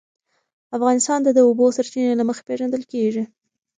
افغانستان د د اوبو سرچینې له مخې پېژندل کېږي.